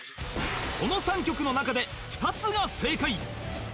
この３曲の中で２つが正解！